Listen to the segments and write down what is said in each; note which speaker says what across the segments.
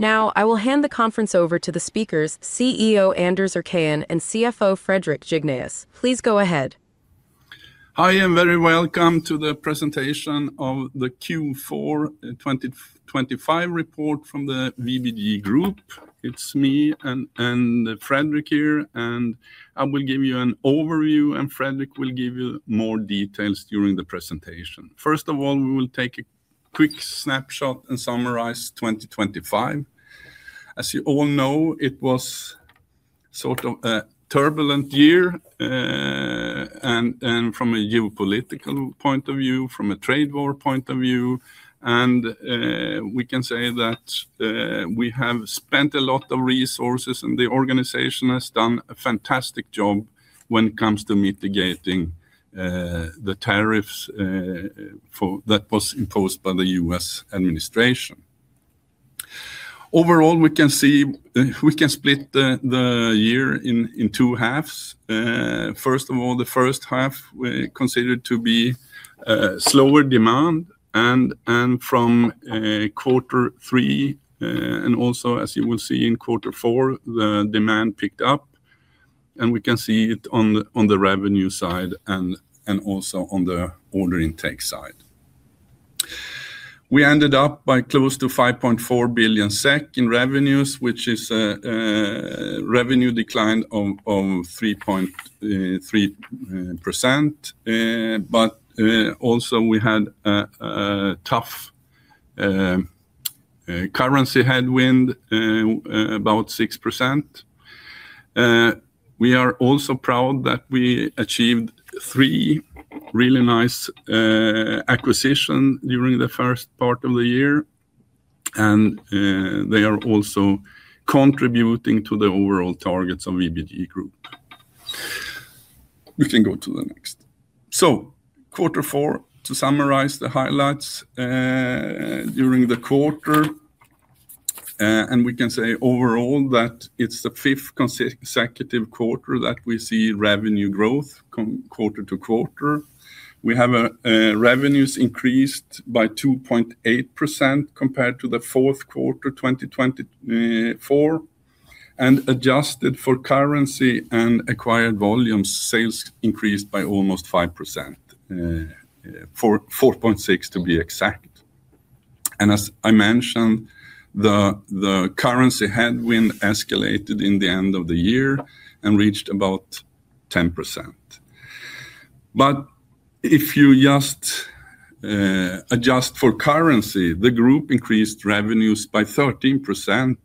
Speaker 1: Now, I will hand the conference over to the speakers, CEO Anders Erkén and CFO Fredrik Jignéus. Please go ahead.
Speaker 2: Hi, and very welcome to the presentation of the Q4 2025 Report from the VBG Group. It's me and Fredrik here, and I will give you an overview, and Fredrik will give you more details during the presentation. First of all, we will take a quick snapshot and summarize 2025. As you all know, it was sort of a turbulent year, and from a geopolitical point of view, from a trade war point of view, and we can say that we have spent a lot of resources, and the organization has done a fantastic job when it comes to mitigating the tariffs that was imposed by the U.S. administration. Overall, we can see we can split the year in two halves. First of all, the first half, we considered to be slower demand, and from quarter three and also, as you will see in quarter four, the demand picked up, and we can see it on the revenue side and also on the order intake side. We ended up by close to 5.4 billion SEK in revenues, which is a revenue decline of 3.3%. But also we had a tough currency headwind of about 6%. We are also proud that we achieved three really nice acquisition during the first part of the year, and they are also contributing to the overall targets of VBG Group. We can go to the next. Quarter four, to summarize the highlights, during the quarter, and we can say overall that it's the fifth consecutive quarter that we see revenue growth quarter to quarter. We have revenues increased by 2.8% compared to the fourth quarter, 2024, and adjusted for currency and acquired volume, sales increased by almost 5%, 4.6% to be exact. And as I mentioned, the currency headwind escalated in the end of the year and reached about 10%. But if you just adjust for currency, the group increased revenues by 13%,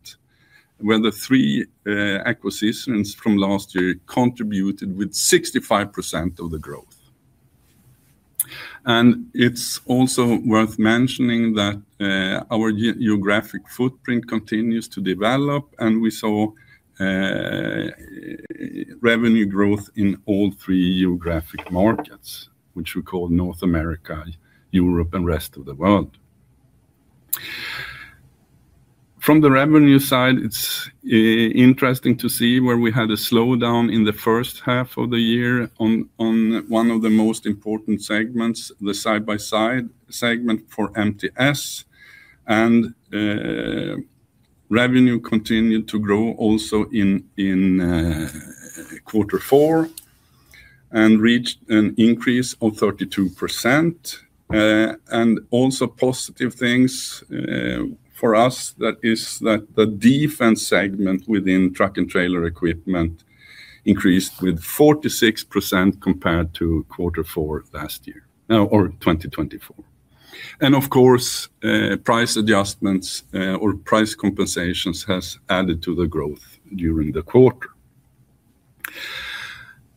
Speaker 2: where the three acquisitions from last year contributed with 65% of the growth. It's also worth mentioning that our geographic footprint continues to develop, and we saw revenue growth in all three geographic markets, which we call North America, Europe, and rest of the world. From the revenue side, it's interesting to see where we had a slowdown in the first half of the year on one of the most important segments, the side-by-side segment for MTS. Revenue continued to grow also in quarter four and reached an increase of 32%. Also positive things for us, that is that the defense segment within Truck and Trailer Equipment increased with 46% compared to quarter four last year, or 2024. Of course, price adjustments, or price compensations has added to the growth during the quarter.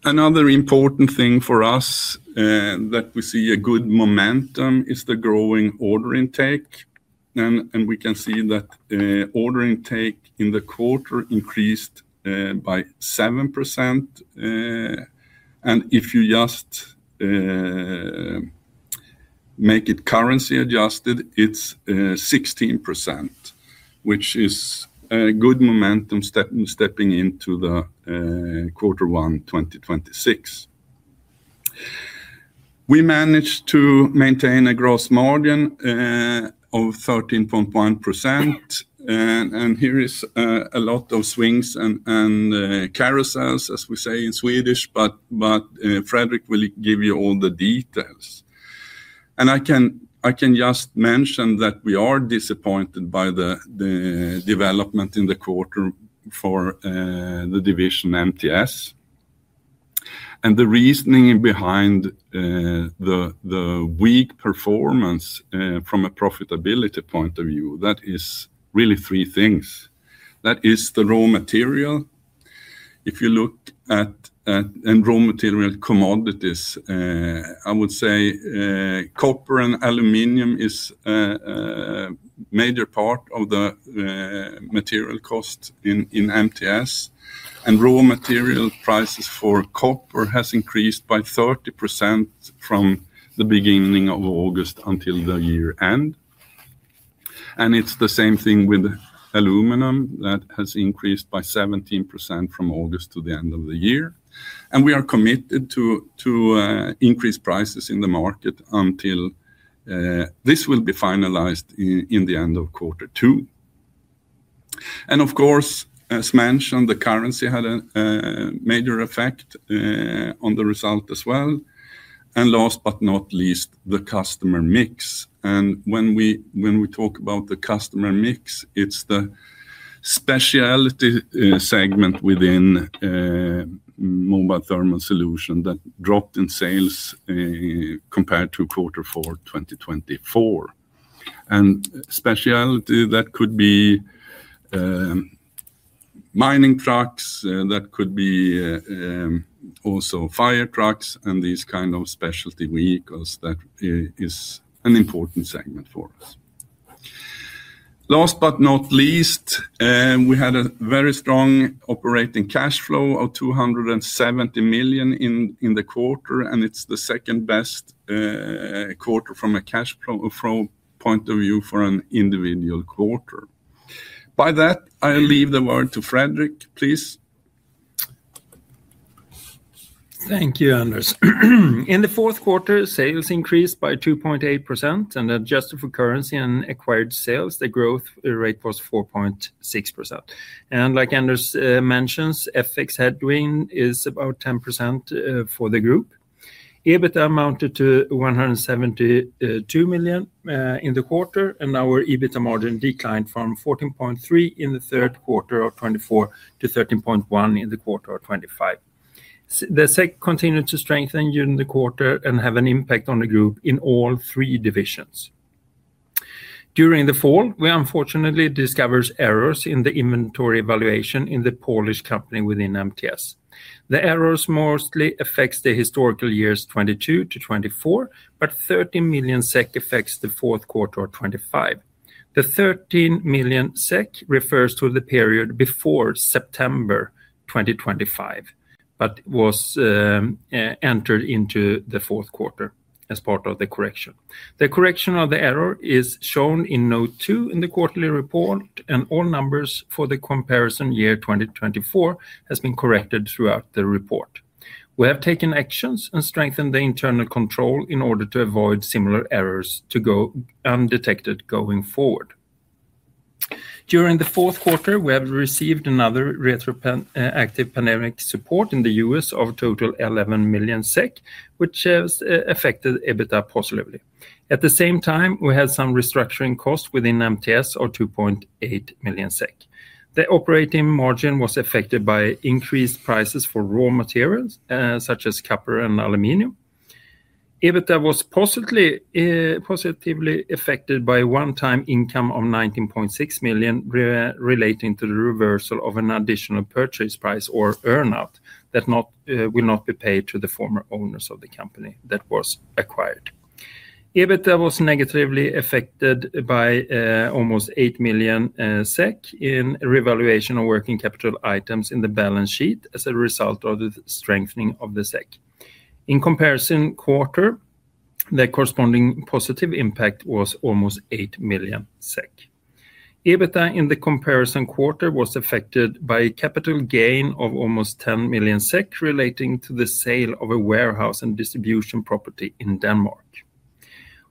Speaker 2: Another important thing for us that we see a good momentum is the growing order intake, and we can see that order intake in the quarter increased by 7%, and if you just make it currency adjusted, it's 16%, which is good momentum stepping into the quarter one, 2026. We managed to maintain a gross margin of 13.1%, and here is a lot of swings and carousels, as we say in Swedish, but Fredrik will give you all the details. And I can just mention that we are disappointed by the development in the quarter for the division MTS. And the reasoning behind the weak performance from a profitability point of view, that is really three things. That is the raw material. If you look at in raw material commodities, I would say copper and aluminum is a major part of the material cost in MTS. And raw material prices for copper has increased by 30% from the beginning of August until the year-end. And it's the same thing with aluminum. That has increased by 17% from August to the end of the year. And we are committed to increase prices in the market until this will be finalized in the end of quarter two. And of course, as mentioned, the currency had a major effect on the result as well. And last but not least, the customer mix. When we talk about the customer mix, it's the specialty segment within Mobile Thermal Solution that dropped in sales compared to quarter four, 2024. And specialty, that could be mining trucks, that could be also fire trucks and these kind of specialty vehicles. That is an important segment for us. Last but not least, we had a very strong operating cash flow of 270 million in the quarter, and it's the second best quarter from a cash flow point of view for an individual quarter. By that, I leave the word to Fredrik, please.
Speaker 3: Thank you, Anders. In the fourth quarter, sales increased by 2.8%, and adjusted for currency and acquired sales, the growth rate was 4.6%. Like Anders mentions, FX headwind is about 10% for the group. EBITDA amounted to 172 million in the quarter, and our EBITDA margin declined from 14.3% in the third quarter of 2024 to 13.1% in the quarter of 2025. The SEK continued to strengthen during the quarter and have an impact on the group in all three divisions. During the fall, we unfortunately discovers errors in the inventory evaluation in the Polish company within MTS. The errors mostly affects the historical years 2022 to 2024, but 13 million SEK affects the fourth quarter of 2025. The 13 million SEK refers to the period before September 2025, but was entered into the fourth quarter as part of the correction. The correction of the error is shown in note 2 in the quarterly report, and all numbers for the comparison year 2024 has been corrected throughout the report. We have taken actions and strengthened the internal control in order to avoid similar errors to go undetected going forward. During the fourth quarter, we have received another retroactive pandemic support in the U.S. of total 11 million SEK, which has affected EBITDA positively. At the same time, we had some restructuring costs within MTS of 2.8 million SEK. The operating margin was affected by increased prices for raw materials, such as copper and aluminum. EBITDA was positively affected by a one-time income of 19.6 million relating to the reversal of an additional purchase price or earn out that will not be paid to the former owners of the company that was acquired. EBITDA was negatively affected by almost 8 million SEK in revaluation of working capital items in the balance sheet as a result of the strengthening of the SEK. In comparison quarter, the corresponding positive impact was almost 8 million SEK. EBITDA in the comparison quarter was affected by a capital gain of almost 10 million SEK, relating to the sale of a warehouse and distribution property in Denmark.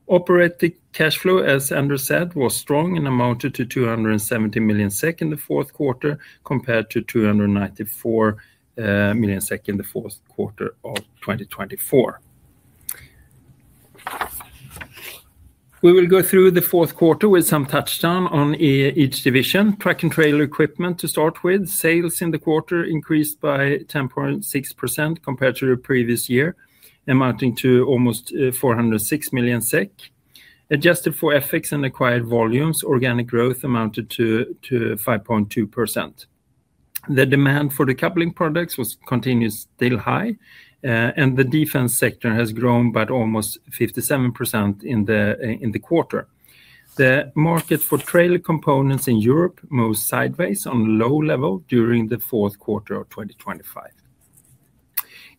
Speaker 3: Operating cash flow, as Anders said, was strong and amounted to 270 million SEK in the fourth quarter, compared to 294 million SEK in the fourth quarter of 2024. We will go through the fourth quarter with some touch down on each division. Truck and Trailer Equipment to start with, sales in the quarter increased by 10.6% compared to the previous year, amounting to almost 406 million SEK. Adjusted for FX and acquired volumes, organic growth amounted to 5.2%. The demand for the coupling products was continuous, still high, and the defense sector has grown by almost 57% in the quarter. The market for trailer components in Europe moved sideways on low level during the fourth quarter of 2025.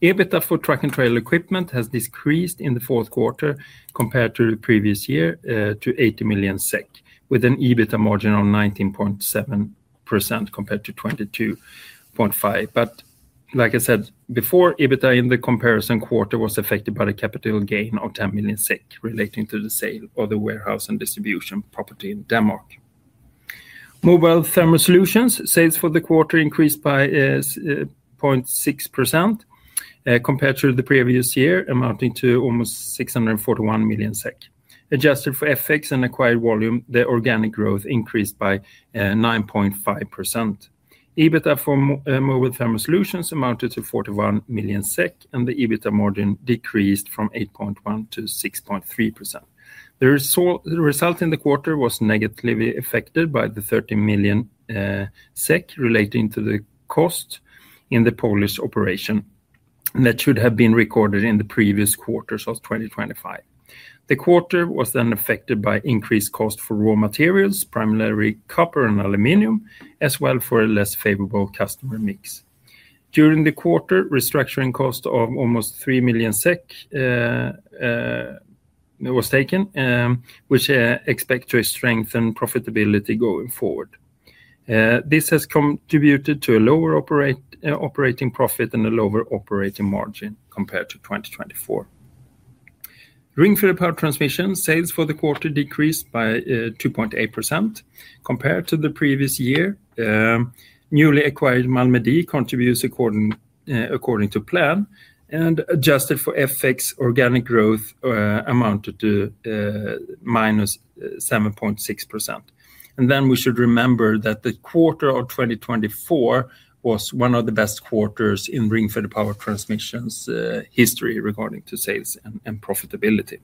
Speaker 3: EBITDA for truck and trailer equipment has decreased in the fourth quarter compared to the previous year to 80 million SEK, with an EBITDA margin of 19.7% compared to 22.5%. But like I said, before, EBITDA in the comparison quarter was affected by the capital gain of 10 million SEK relating to the sale of the warehouse and distribution property in Denmark. Mobile Thermal Solutions, sales for the quarter increased by 0.6%, compared to the previous year, amounting to almost 641 million SEK. Adjusted for FX and acquired volume, the organic growth increased by 9.5%. EBITDA for Mobile Thermal Solutions amounted to 41 million SEK, and the EBITDA margin decreased from 8.1%-6.3%. The result, the result in the quarter was negatively affected by the 13 million SEK relating to the cost in the Polish operation, and that should have been recorded in the previous quarters of 2025. The quarter was then affected by increased cost for raw materials, primarily copper and aluminum, as well for a less favorable customer mix. During the quarter, restructuring cost of almost SEK 3 million was taken, which expect to strengthen profitability going forward. This has contributed to a lower operating profit and a lower operating margin compared to 2024. Ringfeder Power Transmission sales for the quarter decreased by 2.8% compared to the previous year. Newly acquired Malmedie contributes according to plan, and adjusted for FX, organic growth amounted to -7.6%. We should remember that the quarter of 2024 was one of the best quarters in Ringfeder Power Transmission's history regarding sales and profitability.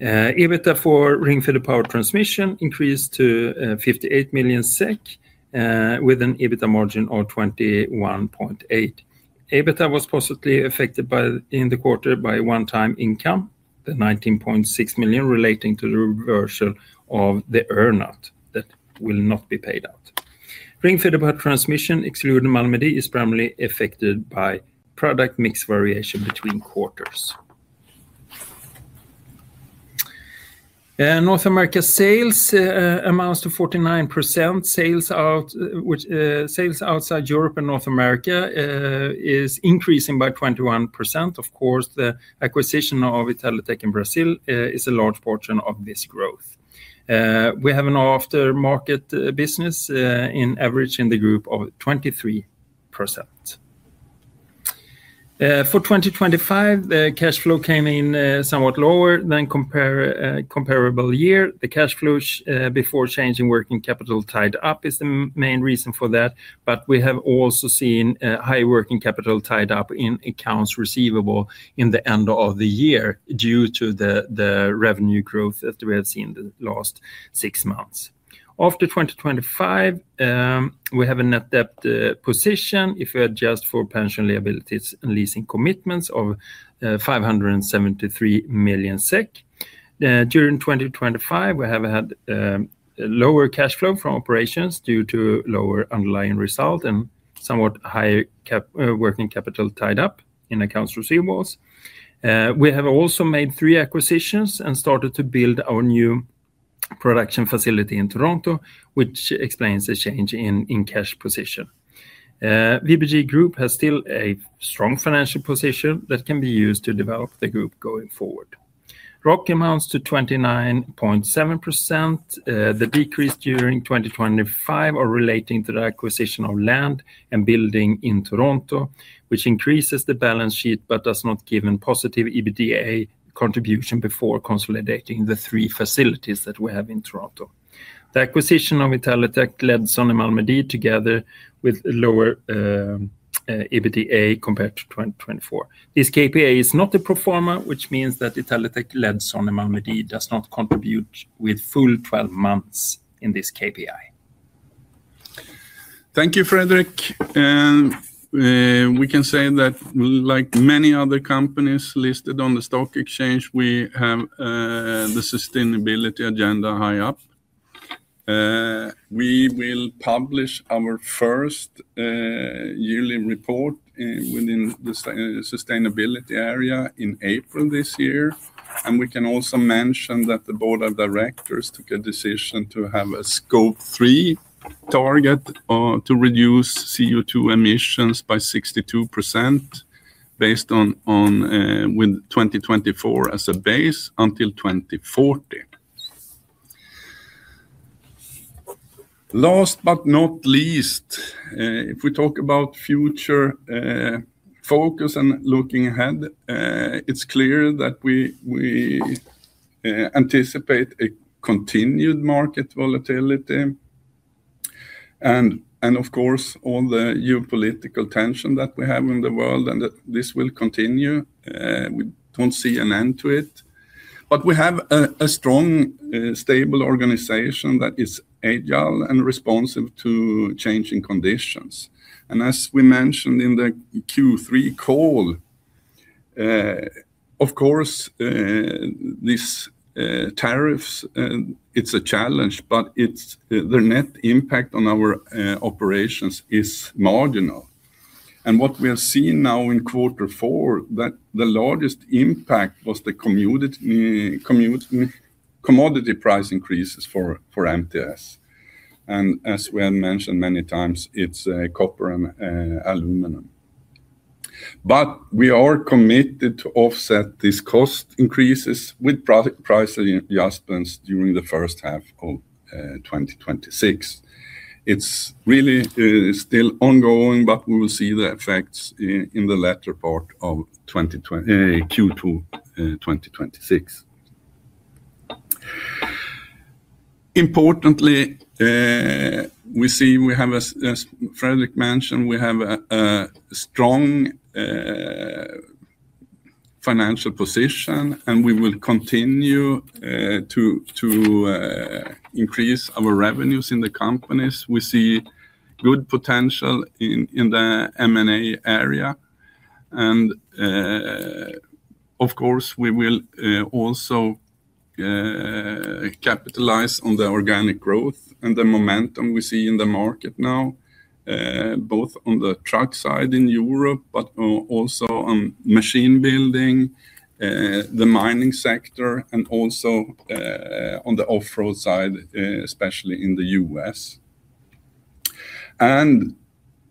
Speaker 3: EBITDA for Ringfeder Power Transmission increased to 58 million SEK, with an EBITDA margin of 21.8%. EBITDA was positively affected in the quarter by a one-time income, the 19.6 million relating to the reversal of the earn-out that will not be paid out. Ringfeder Power Transmission, excluding Malmedie, is primarily affected by product mix variation between quarters. North America sales amount to 49%. Sales outside Europe and North America are increasing by 21%. Of course, the acquisition of Italytec in Brazil is a large portion of this growth. We have an after-market business, in average in the group of 23%. For 2025, the cash flow came in somewhat lower than comparable year. The cash flow before changing working capital tied up is the main reason for that, but we have also seen high working capital tied up in accounts receivable in the end of the year due to the revenue growth that we have seen the last six months. After 2025, we have a net debt position, if we adjust for pension liabilities and leasing commitments, of 573 million SEK. During 2025, we have had lower cash flow from operations due to lower underlying result and somewhat higher working capital tied up in accounts receivables. We have also made three acquisitions and started to build our new production facility in Toronto, which explains the change in cash position. VBG Group has still a strong financial position that can be used to develop the group going forward. ROCE amounts to 29.7%. The decrease during 2025 are relating to the acquisition of land and building in Toronto, which increases the balance sheet but does not give a positive EBITDA contribution before consolidating the three facilities that we have in Toronto. The acquisition of Italytec, Ledson, Malmedie together with lower EBITDA compared to 2024. This KPI is not a pro forma, which means that Italytec, Ledson, Malmedie does not contribute with full 12 months in this KPI.
Speaker 2: Thank you, Fredrik. We can say that like many other companies listed on the stock exchange, we have the sustainability agenda high up. We will publish our first yearly report within the sustainability area in April this year, and we can also mention that the board of directors took a decision to have a Scope 3 target to reduce CO2 emissions by 62% based on with 2024 as a base until 2040. Last but not least, if we talk about future focus and looking ahead, it's clear that we anticipate a continued market volatility, and of course, all the geopolitical tension that we have in the world, and that this will continue. We don't see an end to it, but we have a strong, stable organization that is agile and responsive to changing conditions. As we mentioned in the Q3 call, of course, these tariffs, it's a challenge, but it's the net impact on our operations is marginal. What we are seeing now in quarter four, that the largest impact was the commodity price increases for MTS. As we have mentioned many times, it's copper and aluminum. But we are committed to offset these cost increases with price adjustments during the first half of 2026. It's really still ongoing, but we will see the effects in the latter part of 2026, Q2 2026. Importantly, we see we have a, as Fredrik mentioned, we have a strong financial position, and we will continue to increase our revenues in the companies. We see good potential in the M&A area, and of course, we will also capitalize on the organic growth and the momentum we see in the market now, both on the truck side in Europe, but also on machine building, the mining sector, and also on the off-road side, especially in the U.S.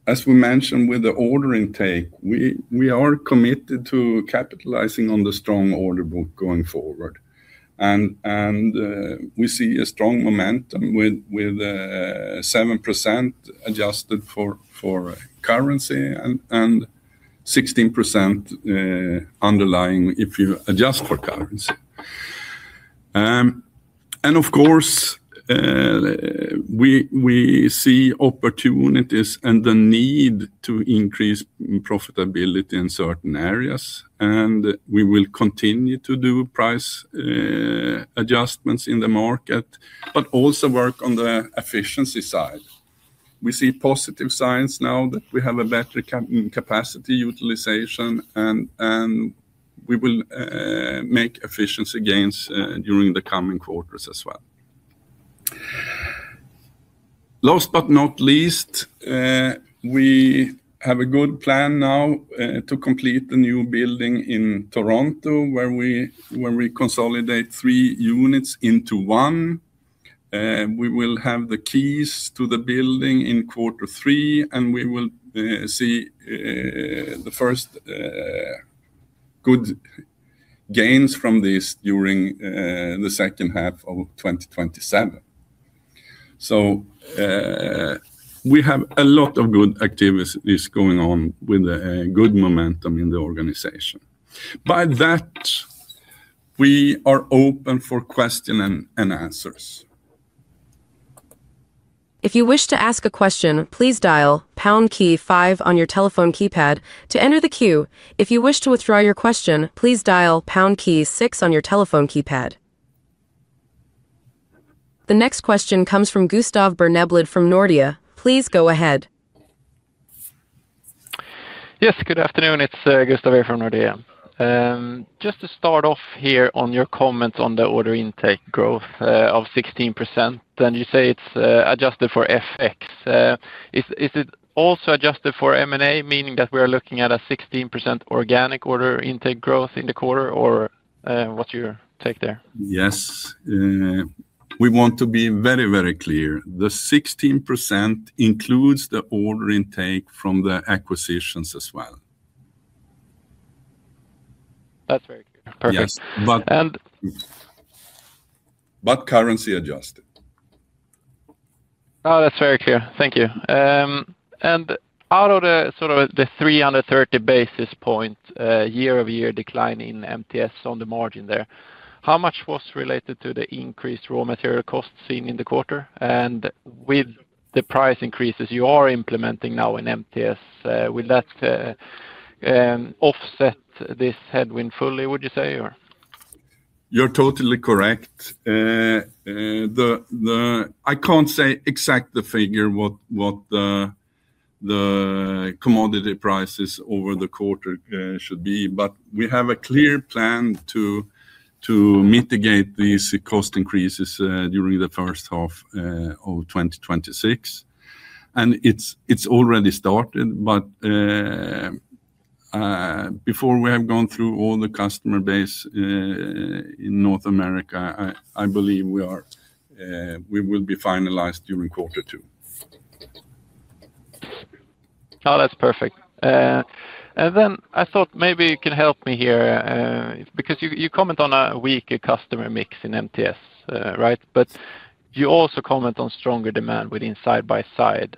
Speaker 2: As we mentioned with the ordering take, we are committed to capitalizing on the strong order book going forward. We see a strong momentum with 7% adjusted for currency and 16% underlying if you adjust for currency. And of course, we see opportunities and the need to increase profitability in certain areas, and we will continue to do price adjustments in the market, but also work on the efficiency side. We see positive signs now that we have a better capacity utilization, and we will make efficiency gains during the coming quarters as well. Last but not least, we have a good plan now to complete the new building in Toronto, where we consolidate three units into one. We will have the keys to the building in quarter three, and we will see the first good gains from this during the second half of 2027. So, we have a lot of good activities going on with a good momentum in the organization. By that, we are open for question and answers.
Speaker 1: If you wish to ask a question, please dial pound key five on your telephone keypad to enter the queue. If you wish to withdraw your question, please dial pound key six on your telephone keypad. The next question comes from Gustav Berneblad from Nordea. Please go ahead.
Speaker 4: Yes, good afternoon. It's Gustav here from Nordea. Just to start off here on your comments on the order intake growth of 16%, and you say it's adjusted for FX. Is it also adjusted for M&A, meaning that we are looking at a 16% organic order intake growth in the quarter, or what's your take there?
Speaker 2: Yes. We want to be very, very clear. The 16% includes the order intake from the acquisitions as well.
Speaker 4: That's very clear. Perfect.
Speaker 2: Yes.
Speaker 4: But-
Speaker 2: But currency adjusted.
Speaker 4: Oh, that's very clear. Thank you. And out of the, sort of the 330 basis point year-over-year decline in MTS on the margin there, how much was related to the increased raw material costs seen in the quarter? And with the price increases you are implementing now in MTS, will that offset this headwind fully, would you say, or?
Speaker 2: You're totally correct. I can't say exact figure, what the commodity prices over the quarter should be, but we have a clear plan to mitigate these cost increases during the first half of 2026. And it's already started, but before we have gone through all the customer base in North America, I believe we will be finalized during quarter two.
Speaker 4: Oh, that's perfect. Then I thought maybe you can help me here, because you, you comment on a weaker customer mix in MTS, right? But you also comment on stronger demand within side-by-side,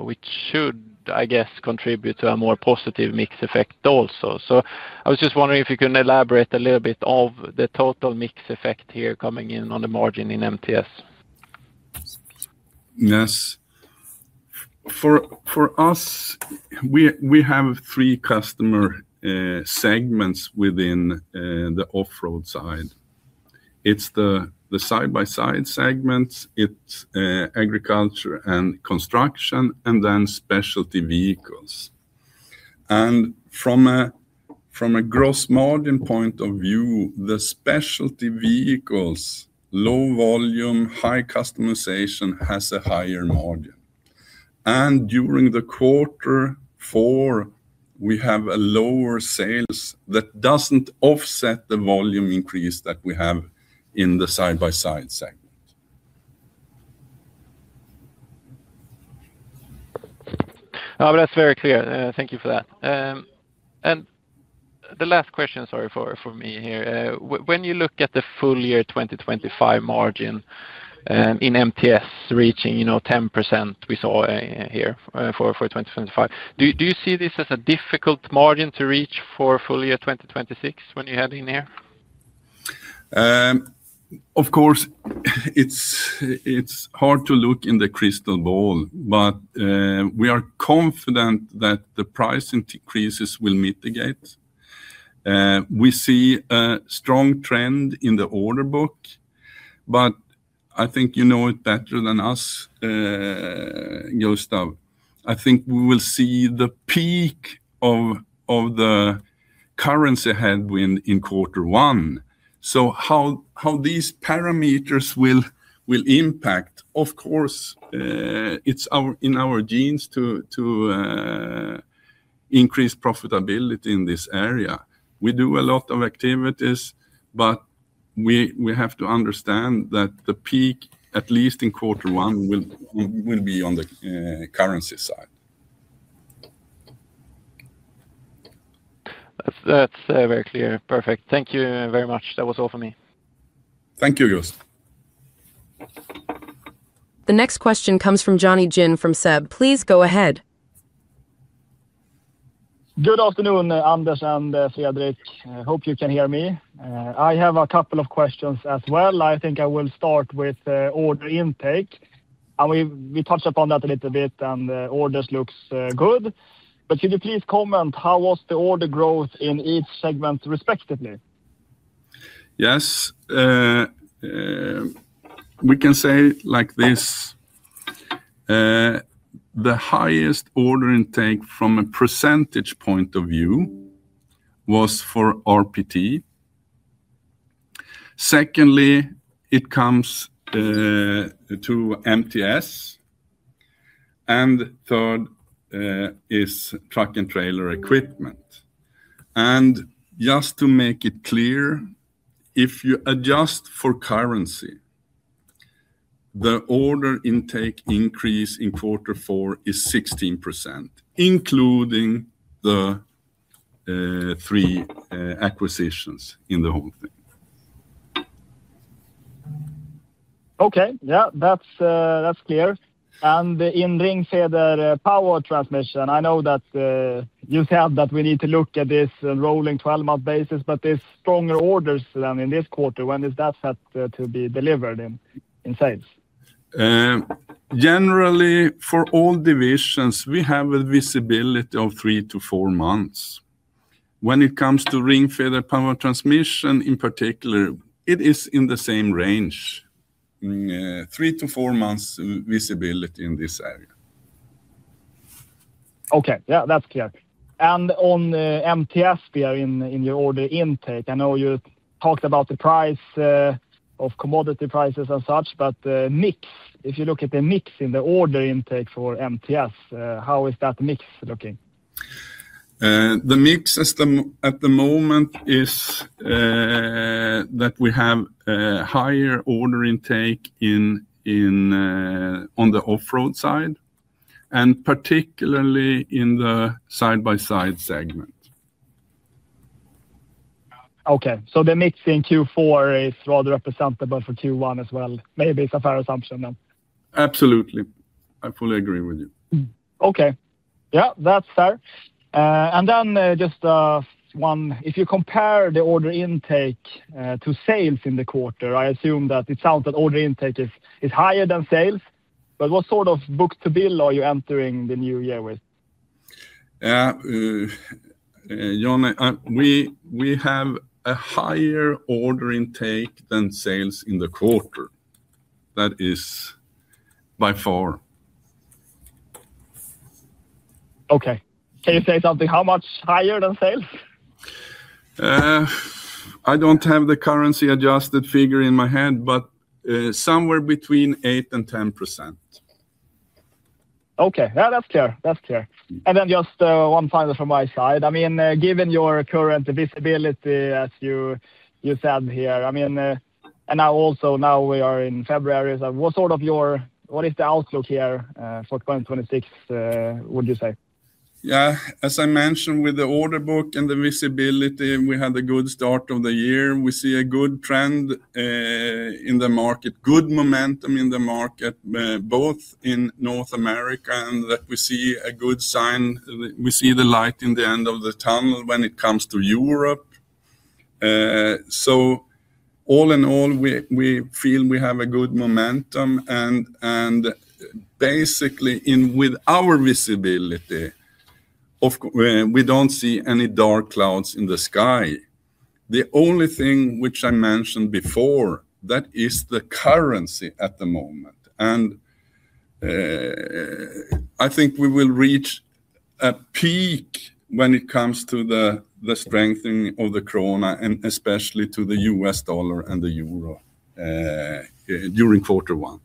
Speaker 4: which should, I guess, contribute to a more positive mix effect also. So I was just wondering if you can elaborate a little bit of the total mix effect here coming in on the margin in MTS?
Speaker 2: Yes. For us, we have three customer segments within the off-road side. It's the side-by-side segments, it's agriculture and construction, and then specialty vehicles. And from a gross margin point of view, the specialty vehicles, low volume, high customization, has a higher margin. And during the quarter four, we have a lower sales that doesn't offset the volume increase that we have in the side-by-side segment.
Speaker 4: That's very clear. Thank you for that. And the last question, sorry, from me here, when you look at the full year 2025 margin in MTS reaching, you know, 10%, we saw here for 2025, do you see this as a difficult margin to reach for full year 2026 when you head in here?
Speaker 2: Of course, it's hard to look in the crystal ball, but we are confident that the price increases will mitigate. We see a strong trend in the order book, but I think you know it better than us, Gustav. I think we will see the peak of the currency headwind in quarter one. So how these parameters will impact, of course, it's in our genes to increase profitability in this area. We do a lot of activities, but... We have to understand that the peak, at least in quarter one, will be on the currency side.
Speaker 4: That's, that's, very clear. Perfect. Thank you very much. That was all for me.
Speaker 2: Thank you, Gustav.
Speaker 1: The next question comes from Jonny Jin from SEB. Please go ahead.
Speaker 5: Good afternoon, Anders and Fredrik. I hope you can hear me. I have a couple of questions as well. I think I will start with order intake, and we touched upon that a little bit, and the orders looks good. But could you please comment how was the order growth in each segment respectively?
Speaker 2: Yes, we can say it like this: the highest order intake from a percentage point of view was for RPT. Secondly, it comes to MTS, and third is Truck and Trailer Equipment. And just to make it clear, if you adjust for currency, the order intake increase in quarter four is 16%, including the three acquisitions in the whole thing.
Speaker 5: Okay. Yeah, that's clear. And in Ringfeder Power Transmission, I know that you said that we need to look at this rolling twelve-month basis, but there's stronger orders than in this quarter. When is that set to be delivered in sales?
Speaker 2: Generally, for all divisions, we have a visibility of three-to-four months. When it comes to Ringfeder Power Transmission, in particular, it is in the same range, three-to-four months visibility in this area.
Speaker 5: Okay. Yeah, that's clear. And on MTS, we are in your order intake. I know you talked about the price of commodity prices and such, but mix, if you look at the mix in the order intake for MTS, how is that mix looking?
Speaker 2: The mix system at the moment is that we have higher order intake in on the off-road side, and particularly in the side-by-side segment.
Speaker 5: Okay, so the mix in Q4 is rather representative for Q1 as well. Maybe it's a fair assumption, then?
Speaker 2: Absolutely. I fully agree with you.
Speaker 5: Mm-hmm. Okay. Yeah, that's fair. And then, just one, if you compare the order intake to sales in the quarter, I assume that it sounds that order intake is higher than sales, but what sort of book-to-bill are you entering the new year with?
Speaker 2: Johnny, we have a higher order intake than sales in the quarter. That is by far.
Speaker 5: Okay. Can you say something, how much higher than sales?
Speaker 2: I don't have the currency-adjusted figure in my hand, but somewhere between 8% and 10%.
Speaker 5: Okay. Yeah, that's clear. That's clear. And then just, one final from my side. I mean, given your current visibility, as you said here, I mean, and now also, now we are in February. So what sort of your— What is the outlook here, for 2026, would you say?
Speaker 2: Yeah. As I mentioned, with the order book and the visibility, we had a good start of the year. We see a good trend in the market, good momentum in the market, both in North America, and that we see a good sign, we, we see the light in the end of the tunnel when it comes to Europe. So all in all, we, we feel we have a good momentum, and, and basically, with our visibility, of course, we don't see any dark clouds in the sky. The only thing which I mentioned before, that is the currency at the moment, and I think we will reach a peak when it comes to the strengthening of the krona and especially to the US dollar and the euro during quarter one.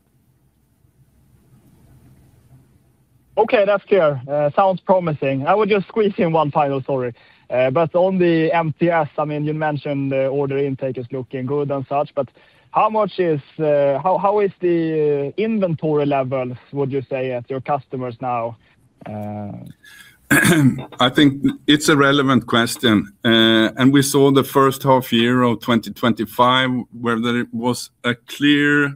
Speaker 5: Okay, that's clear. Sounds promising. I would just squeeze in one final, sorry. But on the MTS, I mean, you mentioned the order intake is looking good and such, but how is the inventory level, would you say, at your customers now?
Speaker 2: I think it's a relevant question. And we saw the first half year of 2025, whether it was a clear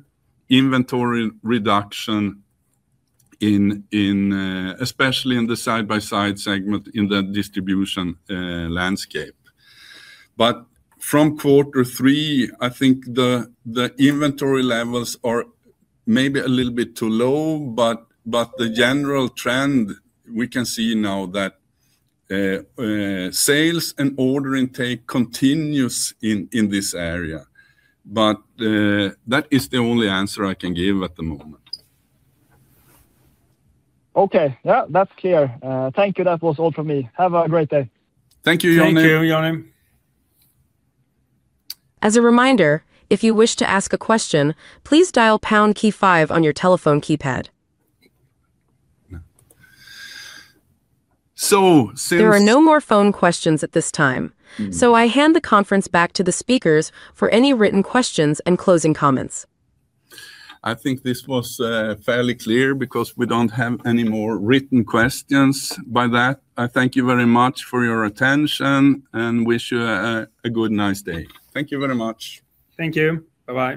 Speaker 2: inventory reduction in, in, especially in the side-by-side segment in the distribution landscape. But from quarter three, I think the, the inventory levels are maybe a little bit too low, but, but the general trend we can see now that, sales and order intake continues in, in this area. But, that is the only answer I can give at the moment.
Speaker 5: Okay. Yeah, that's clear. Thank you. That was all from me. Have a great day.
Speaker 2: Thank you, Johnny.
Speaker 1: Thank you, Johnny. As a reminder, if you wish to ask a question, please dial pound key five on your telephone keypad.
Speaker 2: So since-
Speaker 1: There are no more phone questions at this time.
Speaker 2: Mm-hmm.
Speaker 1: I hand the conference back to the speakers for any written questions and closing comments.
Speaker 2: I think this was fairly clear because we don't have any more written questions. By that, I thank you very much for your attention and wish you a good, nice day.
Speaker 1: Thank you very much.
Speaker 2: Thank you. Bye-bye.